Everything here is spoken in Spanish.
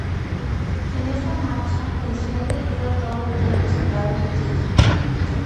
En esta marcha, el jinete queda todo el tiempo sentado en su silla.